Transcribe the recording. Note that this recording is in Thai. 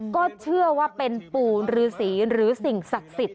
ก็เชื่อว่าเป็นปูนหรือศีลหรือสิ่งศักดิ์สิต